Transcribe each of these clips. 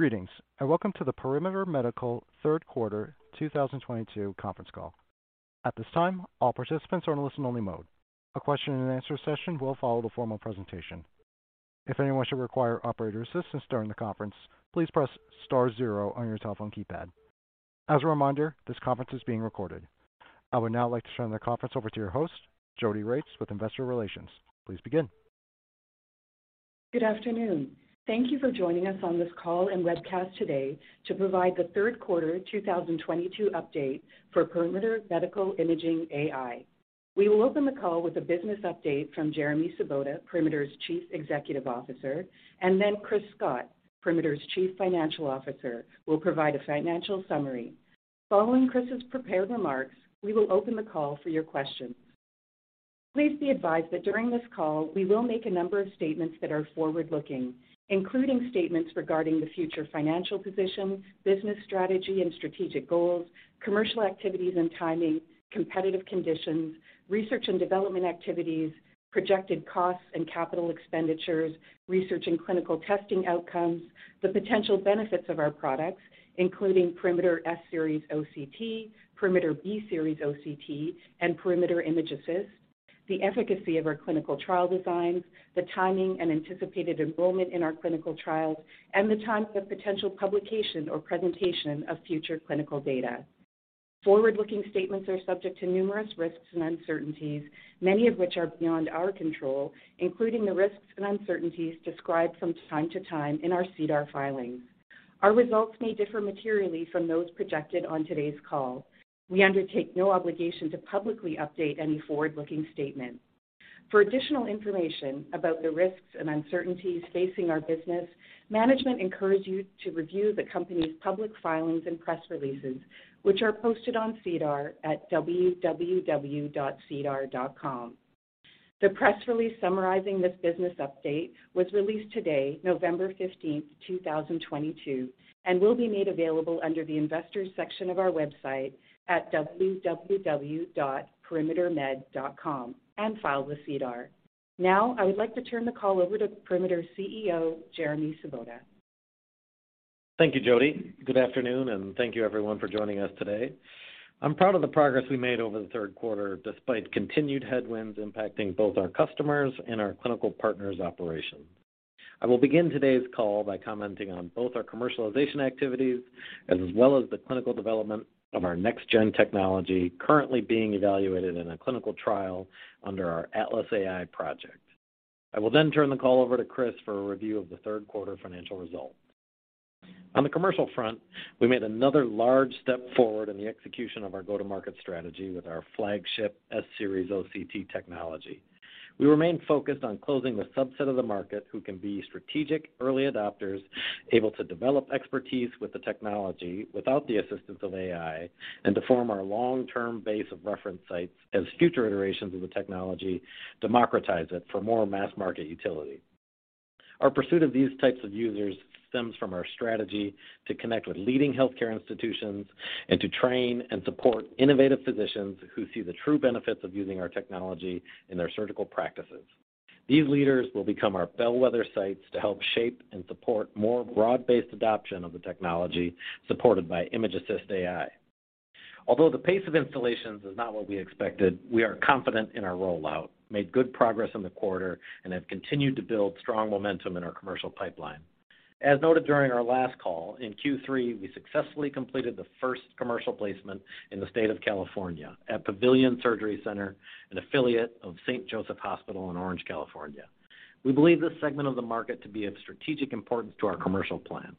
Greetings, welcome to the Perimeter Medical Third Quarter 2022 Conference Call. At this time, all participants are in listen-only mode. A question-and-answer session will follow the formal presentation. If anyone should require operator assistance during the conference, please press star zero on your telephone keypad. As a reminder, this conference is being recorded. I would now like to turn the conference over to your host, Jodi Regts with Investor Relations. Please begin. Good afternoon. Thank you for joining us on this call and webcast today to provide the third quarter 2022 update for Perimeter Medical Imaging AI. We will open the call with a business update from Jeremy Sobotta, Perimeter's Chief Executive Officer, and then Chris Scott, Perimeter's Chief Financial Officer, will provide a financial summary. Following Chris's prepared remarks, we will open the call for your questions. Please be advised that during this call, we will make a number of statements that are forward-looking, including statements regarding the future financial position, business strategy and strategic goals, commercial activities and timing, competitive conditions, research and development activities, projected costs and capital expenditures, research and clinical testing outcomes, the potential benefits of our products, including Perimeter S-Series OCT, Perimeter B-Series OCT, and Perimeter ImgAssist, the efficacy of our clinical trial designs, the timing and anticipated enrollment in our clinical trials, and the times of potential publication or presentation of future clinical data. Forward-looking statements are subject to numerous risks and uncertainties, many of which are beyond our control, including the risks and uncertainties described from time to time in our SEDAR filings. Our results may differ materially from those projected on today's call. We undertake no obligation to publicly update any forward-looking statement. For additional information about the risks and uncertainties facing our business, management encourages you to review the company's public filings and press releases, which are posted on SEDAR at www.sedar.com. The press release summarizing this business update was released today, November 15, 2022, and will be made available under the investors section of our website at www.perimetermed.com and filed with SEDAR. Now, I would like to turn the call over to Perimeter's CEO, Jeremy Sobotta. Thank you, Jodi. Good afternoon, and thank you everyone for joining us today. I'm proud of the progress we made over the third quarter despite continued headwinds impacting both our customers and our clinical partners' operations. I will begin today's call by commenting on both our commercialization activities as well as the clinical development of our next-gen technology currently being evaluated in a clinical trial under our ATLAS AI project. I will then turn the call over to Chris for a review of the third quarter financial results. On the commercial front, we made another large step forward in the execution of our go-to-market strategy with our flagship S-Series OCT technology. We remain focused on closing the subset of the market who can be strategic early adopters, able to develop expertise with the technology without the assistance of AI, and to form our long-term base of reference sites as future iterations of the technology democratize it for more mass market utility. Our pursuit of these types of users stems from our strategy to connect with leading healthcare institutions and to train and support innovative physicians who see the true benefits of using our technology in their surgical practices. These leaders will become our bellwether sites to help shape and support more broad-based adoption of the technology supported by ImgAssist AI. Although the pace of installations is not what we expected, we are confident in our rollout, made good progress in the quarter, and have continued to build strong momentum in our commercial pipeline. As noted during our last call, in Q3 we successfully completed the first commercial placement in the state of California at Pavilion Surgery Center, an affiliate of St. Joseph Hospital in Orange, California. We believe this segment of the market to be of strategic importance to our commercial plans.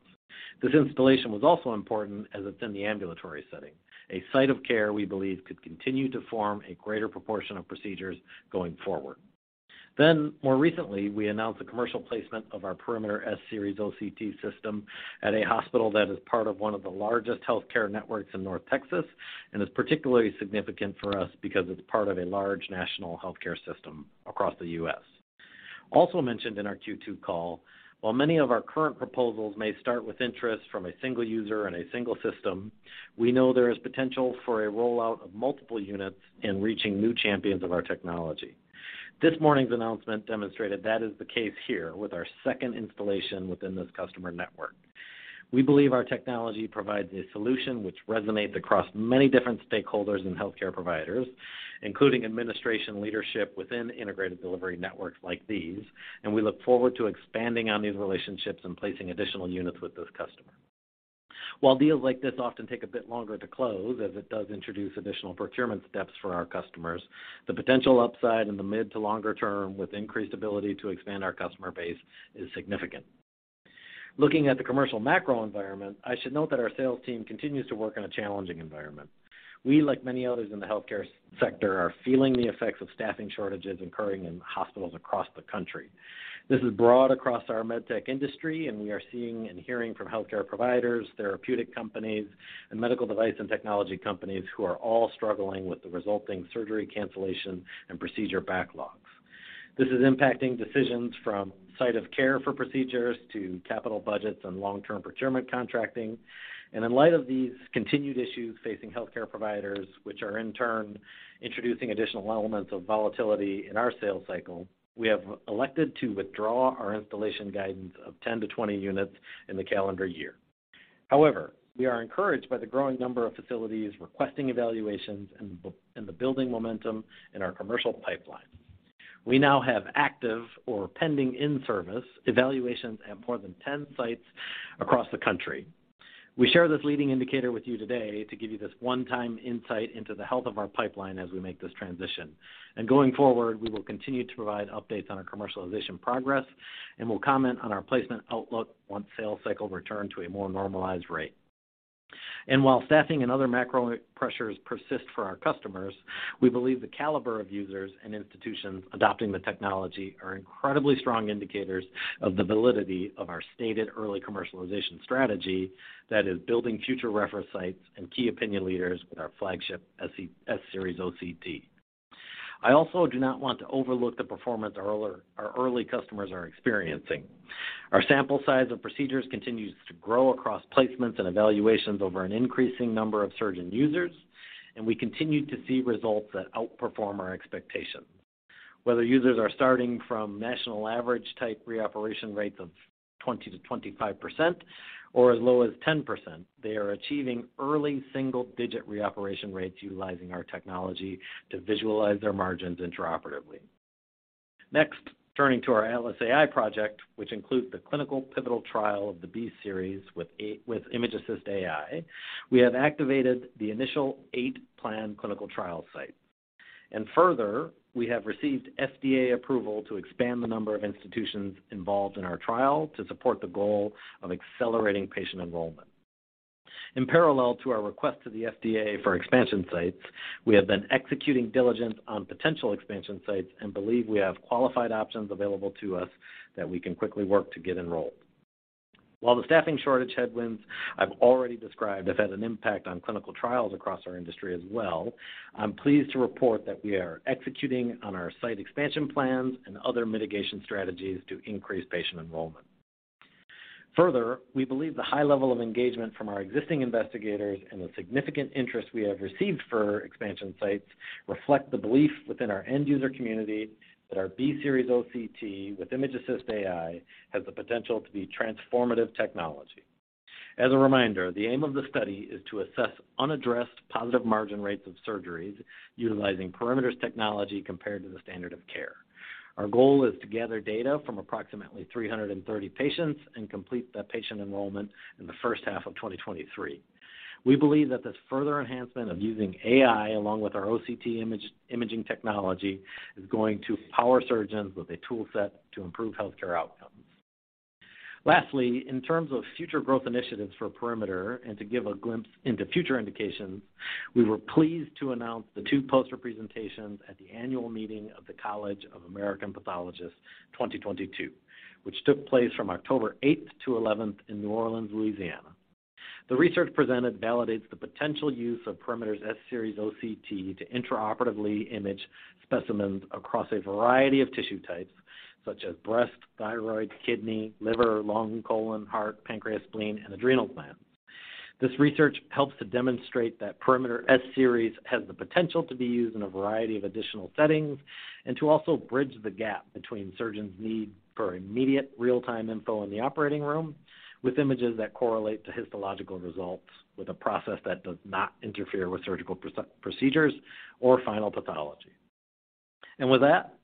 This installation was also important as it's in the ambulatory setting, a site of care we believe could continue to form a greater proportion of procedures going forward. More recently, we announced the commercial placement of our Perimeter S-Series OCT system at a hospital that is part of one of the largest healthcare networks in North Texas and is particularly significant for us because it's part of a large national healthcare system across the U.S. Also mentioned in our Q2 call, while many of our current proposals may start with interest from a single user and a single system, we know there is potential for a rollout of multiple units in reaching new champions of our technology. This morning's announcement demonstrated that is the case here with our second installation within this customer network. We believe our technology provides a solution which resonates across many different stakeholders and healthcare providers, including administration leadership within integrated delivery networks like these, and we look forward to expanding on these relationships and placing additional units with this customer. While deals like this often take a bit longer to close, as it does introduce additional procurement steps for our customers, the potential upside in the mid to longer term with increased ability to expand our customer base is significant. Looking at the commercial macro environment, I should note that our sales team continues to work in a challenging environment. We, like many others in the healthcare sector, are feeling the effects of staffing shortages occurring in hospitals across the country. This is broad across our med tech industry, and we are seeing and hearing from healthcare providers, therapeutic companies, and medical device and technology companies who are all struggling with the resulting surgery cancellation and procedure backlogs. This is impacting decisions from site of care for procedures to capital budgets and long-term procurement contracting. In light of these continued issues facing healthcare providers, which are in turn introducing additional elements of volatility in our sales cycle, we have elected to withdraw our installation guidance of 10-20 units in the calendar year. However, we are encouraged by the growing number of facilities requesting evaluations and the building momentum in our commercial pipeline. We now have active or pending in-service evaluations at more than 10 sites across the country. We share this leading indicator with you today to give you this one-time insight into the health of our pipeline as we make this transition. Going forward, we will continue to provide updates on our commercialization progress, and we'll comment on our placement outlook once sales cycles return to a more normalized rate. While staffing and other macro pressures persist for our customers, we believe the caliber of users and institutions adopting the technology are incredibly strong indicators of the validity of our stated early commercialization strategy, that is building future reference sites and key opinion leaders with our flagship S-Series OCT. I also do not want to overlook the performance our early customers are experiencing. Our sample size of procedures continues to grow across placements and evaluations over an increasing number of surgeon users, and we continue to see results that outperform our expectations. Whether users are starting from national average type reoperation rates of 20%-25% or as low as 10%, they are achieving early single-digit reoperation rates utilizing our technology to visualize their margins intraoperatively. Next, turning to our ATLAS AI project, which includes the clinical pivotal trial of the B-Series with ImgAssist AI. We have activated the initial eight planned clinical trial sites. Further, we have received FDA approval to expand the number of institutions involved in our trial to support the goal of accelerating patient enrollment. In parallel to our request to the FDA for expansion sites, we have been executing diligence on potential expansion sites and believe we have qualified options available to us that we can quickly work to get enrolled. While the staffing shortage headwinds I've already described have had an impact on clinical trials across our industry as well, I'm pleased to report that we are executing on our site expansion plans and other mitigation strategies to increase patient enrollment. Further, we believe the high level of engagement from our existing investigators and the significant interest we have received for expansion sites reflect the belief within our end user community that our B-Series OCT with ImgAssist AI has the potential to be transformative technology. As a reminder, the aim of the study is to assess unaddressed positive margin rates of surgeries utilizing Perimeter's technology compared to the standard of care. Our goal is to gather data from approximately 330 patients and complete that patient enrollment in the first half of 2023. We believe that this further enhancement of using AI along with our OCT image, imaging technology is going to power surgeons with a toolset to improve healthcare outcomes. Lastly, in terms of future growth initiatives for Perimeter and to give a glimpse into future indications, we were pleased to announce the two poster presentations at the annual meeting of the College of American Pathologists 2022, which took place from October eighth to eleventh in New Orleans, Louisiana. The research presented validates the potential use of Perimeter's S-Series OCT to intraoperatively image specimens across a variety of tissue types such as breast, thyroid, kidney, liver, lung, colon, heart, pancreas, spleen, and adrenal gland. This research helps to demonstrate that Perimeter S-Series has the potential to be used in a variety of additional settings and to also bridge the gap between surgeons' need for immediate real-time info in the operating room with images that correlate to histological results with a process that does not interfere with surgical procedures or final pathology. With that,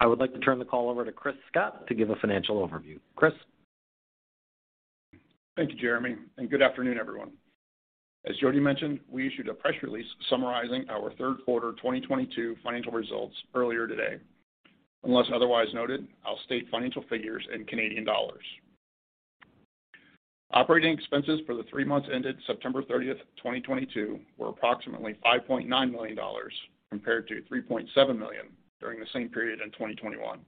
I would like to turn the call over to Chris Scott to give a financial overview. Chris. Thank you, Jeremy, and good afternoon, everyone. As Jodi mentioned, we issued a press release summarizing our third quarter 2022 financial results earlier today. Unless otherwise noted, I'll state financial figures in Canadian dollars. Operating expenses for the three months ended September thirtieth, 2022 were approximately 5.9 million dollars compared to 3.7 million during the same period in 2021.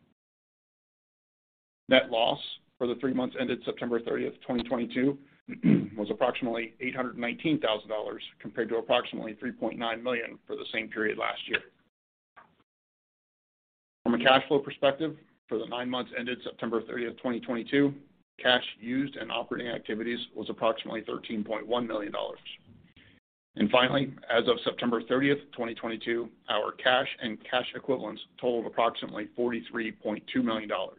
Net loss for the three months ended September thirtieth, 2022 was approximately 819 thousand dollars compared to approximately 3.9 million for the same period last year. From a cash flow perspective, for the nine months ended September thirtieth, 2022, cash used in operating activities was approximately 13.1 million dollars. Finally, as of September 30th, 2022, our cash and cash equivalents total of approximately 43.2 million dollars.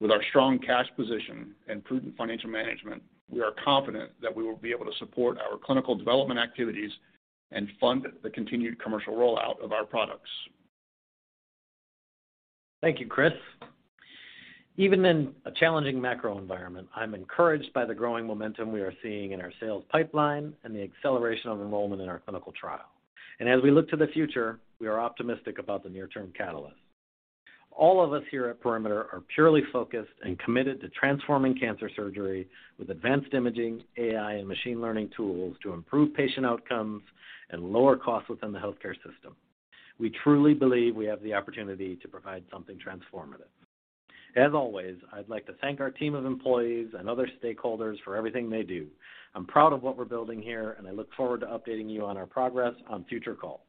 With our strong cash position and prudent financial management, we are confident that we will be able to support our clinical development activities and fund the continued commercial rollout of our products. Thank you, Chris. Even in a challenging macro environment, I'm encouraged by the growing momentum we are seeing in our sales pipeline and the acceleration of enrollment in our clinical trial. As we look to the future, we are optimistic about the near-term catalyst. All of us here at Perimeter are purely focused and committed to transforming cancer surgery with advanced imaging, AI, and machine learning tools to improve patient outcomes and lower costs within the healthcare system. We truly believe we have the opportunity to provide something transformative. As always, I'd like to thank our team of employees and other stakeholders for everything they do. I'm proud of what we're building here, and I look forward to updating you on our progress on future calls.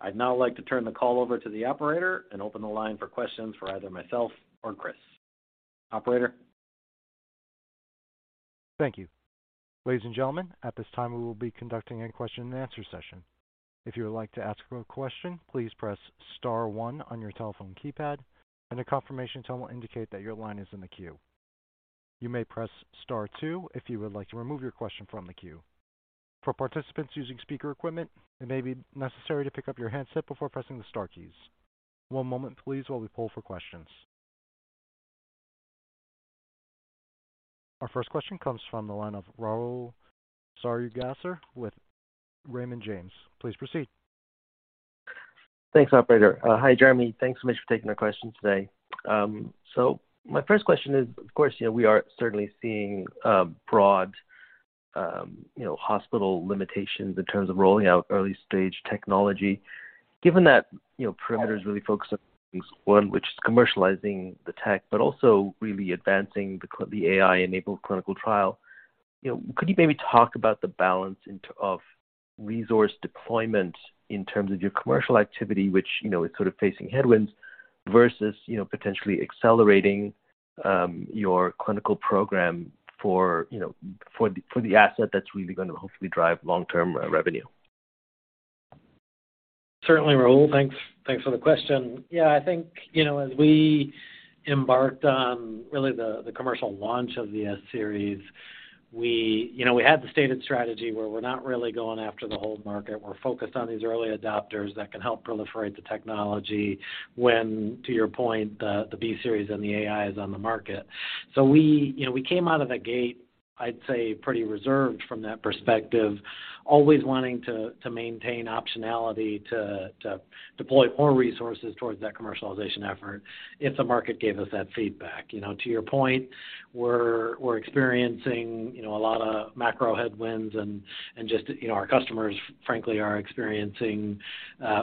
I'd now like to turn the call over to the operator and open the line for questions for either myself or Chris. Operator? Thank you. Ladies and gentlemen, at this time, we will be conducting a question and answer session. If you would like to ask a question, please press star one on your telephone keypad and a confirmation tone will indicate that your line is in the queue. You may press star two if you would like to remove your question from the queue. For participants using speaker equipment, it may be necessary to pick up your handset before pressing the star keys. One moment please while we poll for questions. Our first question comes from the line of Rahul Sarugaser with Raymond James. Please proceed. Thanks, operator. Hi, Jeremy. Thanks so much for taking our question today. So my first question is, of course, you know, we are certainly seeing broad, you know, hospital limitations in terms of rolling out early-stage technology. Given that, you know, Perimeter really focus on things, one, which is commercializing the tech, but also really advancing the AI-enabled clinical trial, you know, could you maybe talk about the balance of resource deployment in terms of your commercial activity, which, you know, is sort of facing headwinds versus, you know, potentially accelerating your clinical program for, you know, for the asset that's really gonna hopefully drive long-term revenue? Certainly, Rahul. Thanks for the question. Yeah, I think, you know, as we embarked on really the commercial launch of the S series, we, you know, we had the stated strategy where we're not really going after the whole market. We're focused on these early adopters that can help proliferate the technology when, to your point, the B series and the AI is on the market. We, you know, we came out of the gate, I'd say, pretty reserved from that perspective, always wanting to maintain optionality to deploy more resources towards that commercialization effort if the market gave us that feedback. You know, to your point, we're experiencing, you know, a lot of macro headwinds and just, you know, our customers frankly are experiencing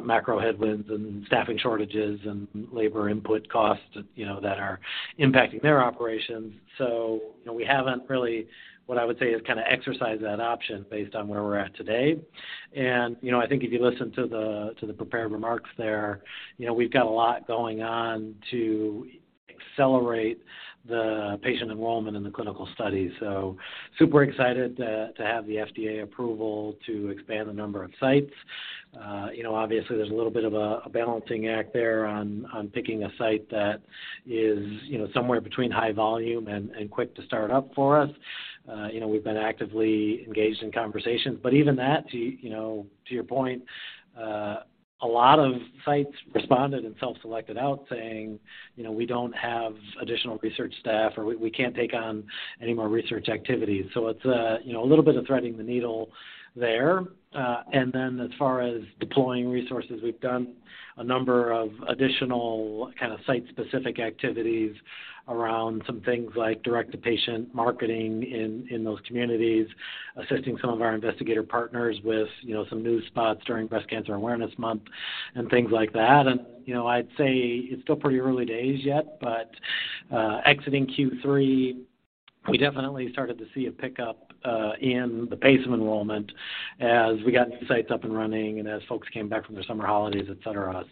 macro headwinds and staffing shortages and labor input costs, you know, that are impacting their operations. You know, we haven't really, what I would say is kinda exercised that option based on where we're at today. You know, I think if you listen to the prepared remarks there, you know, we've got a lot going on to accelerate the patient enrollment in the clinical study. Super excited to have the FDA approval to expand the number of sites. You know, obviously there's a little bit of a balancing act there on picking a site that is, you know, somewhere between high volume and quick to start up for us. You know, we've been actively engaged in conversations, but even that to, you know, to your point, a lot of sites responded and self-selected out saying, you know, we don't have additional research staff, or we can't take on any more research activities. It's, you know, a little bit of threading the needle there. As far as deploying resources, we've done a number of additional kind of site-specific activities around some things like direct-to-patient marketing in those communities, assisting some of our investigator partners with, you know, some new spots during Breast Cancer Awareness Month and things like that. You know, I'd say it's still pretty early days yet, but exiting Q3, we definitely started to see a pickup in the pace of enrollment as we got new sites up and running and as folks came back from their summer holidays, et cetera.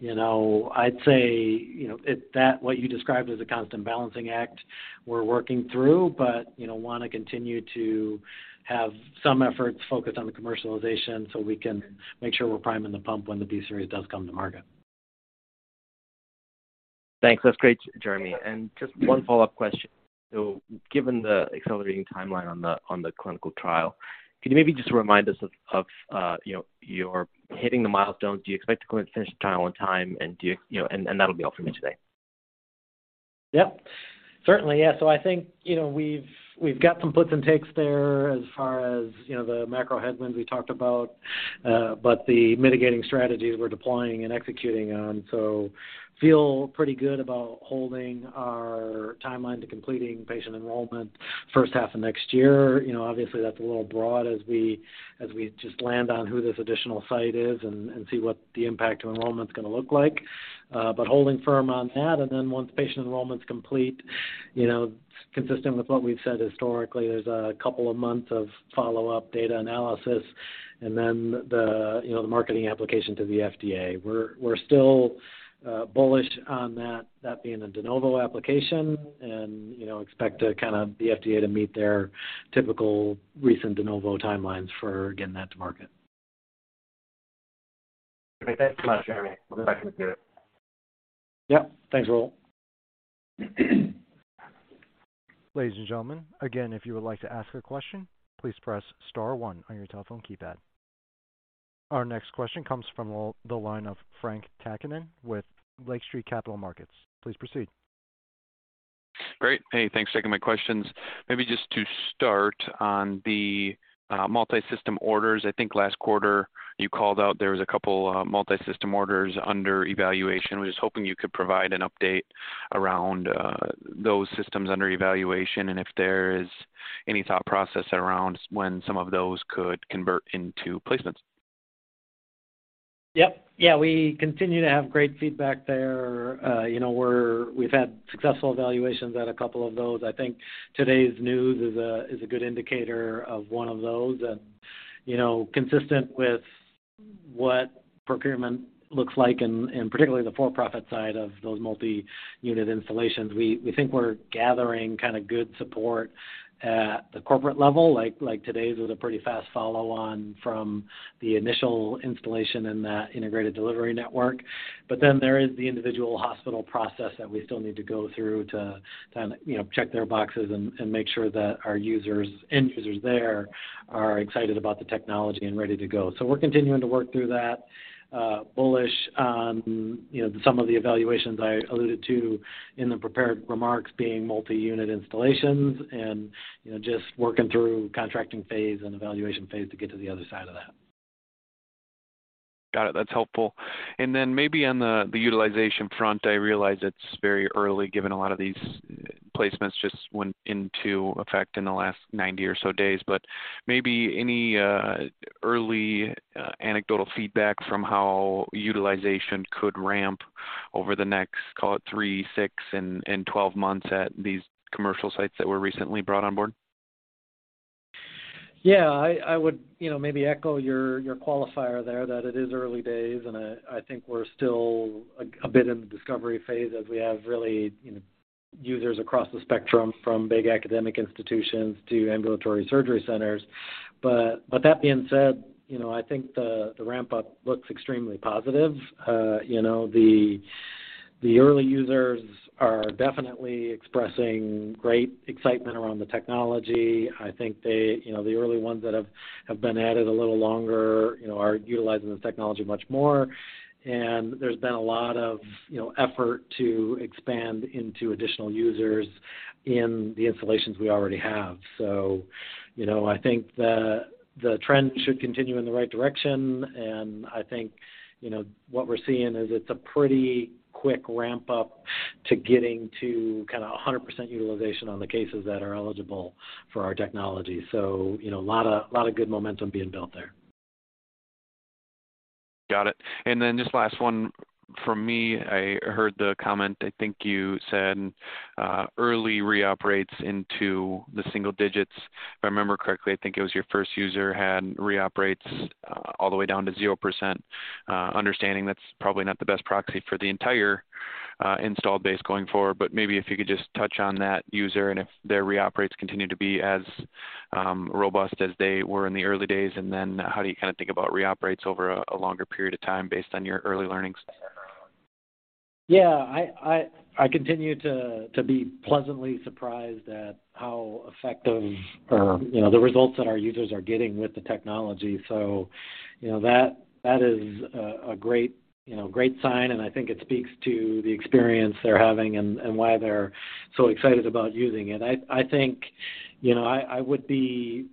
You know, I'd say, you know, that what you described as a constant balancing act we're working through, but, you know, wanna continue to have some efforts focused on the commercialization so we can make sure we're priming the pump when the B series does come to market. Thanks. That's great, Jeremy. Just one follow-up question. Given the accelerating timeline on the clinical trial, can you maybe just remind us of you know, you're hitting the milestones? Do you expect to go and finish the trial on time? You know, and that'll be all for me today. Yep. Certainly, yeah. I think, you know, we've got some puts and takes there as far as, you know, the macro headwinds we talked about, but the mitigating strategies we're deploying and executing on. I feel pretty good about holding our timeline to completing patient enrollment first half of next year. You know, obviously that's a little broad as we just land on who this additional site is and see what the impact to enrollment's gonna look like. Holding firm on that, and then once patient enrollment's complete, you know, consistent with what we've said historically, there's a couple of months of follow-up data analysis and then the, you know, the marketing application to the FDA. We're still bullish on that being a de novo application and, you know, expect kinda the FDA to meet their typical recent de novo timelines for getting that to market. Okay. Thanks so much, Jeremy. We'll get back to the queue. Yep. Thanks, Rahul. Ladies and gentlemen, again, if you would like to ask a question, please press star one on your telephone keypad. Our next question comes from the line of Frank Takkinen with Lake Street Capital Markets. Please proceed. Great. Hey, thanks for taking my questions. Maybe just to start on the multisystem orders. I think last quarter you called out there was a couple multisystem orders under evaluation. I was hoping you could provide an update around those systems under evaluation and if there is any thought process around when some of those could convert into placements. Yep. Yeah, we continue to have great feedback there. You know, we've had successful evaluations at a couple of those. I think today's news is a good indicator of one of those. You know, consistent with what procurement looks like in particularly the for-profit side of those multi-unit installations, we think we're gathering kinda good support at the corporate level. Like today's was a pretty fast follow-on from the initial installation in that integrated delivery network. There is the individual hospital process that we still need to go through to kind of, you know, check their boxes and make sure that our users, end users there are excited about the technology and ready to go. We're continuing to work through that. Bullish on, you know, some of the evaluations I alluded to in the prepared remarks being multi-unit installations and, you know, just working through contracting phase and evaluation phase to get to the other side of that. Got it. That's helpful. Maybe on the utilization front, I realize it's very early, given a lot of these placements just went into effect in the last 90 or so days, but maybe any early anecdotal feedback from how utilization could ramp over the next, call it, three, six, and 12 months at these commercial sites that were recently brought on board? Yeah. I would, you know, maybe echo your qualifier there that it is early days, and I think we're still a bit in the discovery phase as we have really, you know, users across the spectrum from big academic institutions to ambulatory surgery centers. That being said, you know, I think the ramp-up looks extremely positive. You know, the early users are definitely expressing great excitement around the technology. I think they, you know, the early ones that have been at it a little longer, you know, are utilizing the technology much more. There's been a lot of, you know, effort to expand into additional users in the installations we already have. You know, I think the trend should continue in the right direction, and I think, you know, what we're seeing is it's a pretty quick ramp-up to getting to kinda 100% utilization on the cases that are eligible for our technology. You know, a lotta good momentum being built there. Got it. Just last one from me. I heard the comment, I think you said, early reoperations into the single digits. If I remember correctly, I think it was your first user had reoperations all the way down to 0%. Understanding that's probably not the best proxy for the entire installed base going forward, but maybe if you could just touch on that user and if their reoperations continue to be as robust as they were in the early days. How do you kinda think about reoperations over a longer period of time based on your early learnings? Yeah. I continue to be pleasantly surprised at how effective, you know, the results that our users are getting with the technology. You know, that is a great sign, and I think it speaks to the experience they're having and why they're so excited about using it. I think, you know, I would be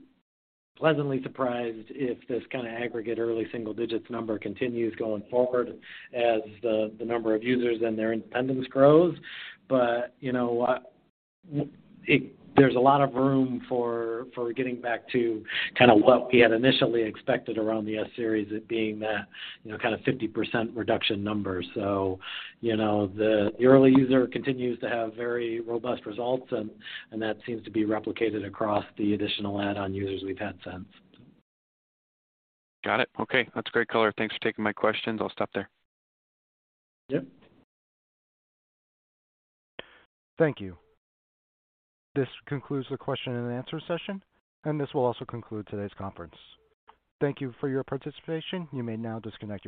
pleasantly surprised if this kinda aggregate early single digits number continues going forward as the number of users and their independence grows. You know, there's a lot of room for getting back to kinda what we had initially expected around the S-Series, it being that, you know, kinda 50% reduction number. you know, the early user continues to have very robust results, and that seems to be replicated across the additional add-on users we've had since. Got it. Okay. That's great color. Thanks for taking my questions. I'll stop there. Yep. Thank you. This concludes the question and answer session, and this will also conclude today's conference. Thank you for your participation. You may now disconnect your lines.